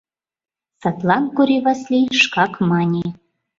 Садлан Кори Васлий шкак мане: